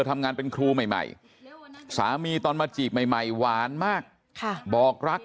ทำงานเป็นครูใหม่สามีตอนมาจีบใหม่หวานมากบอกรัก